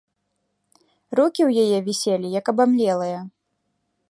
Рукі ў яе віселі, як абамлелыя.